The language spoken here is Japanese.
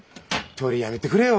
取りやめてくれよ。